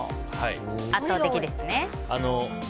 圧倒的ですね。